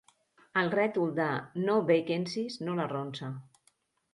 El rètol de “No vacancies” no l'arronsa.